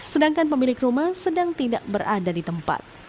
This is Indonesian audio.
sedangkan pemilik rumah sedang tidak berada di tempat